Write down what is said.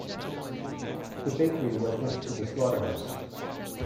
The bakery was next to the slaughterhouse.